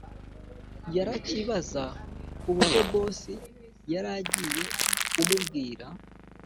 yarakibqza kubyo boss yaragiye kumubwira.